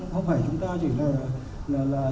không phải chúng ta chỉ là cái nơi